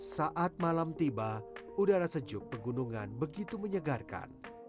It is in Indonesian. saat malam tiba udara sejuk pegunungan begitu menyegarkan